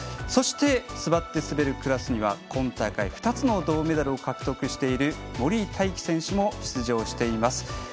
そして、座って滑るクラスには今大会２つの銅メダルを獲得している森井大輝選手も出場しています。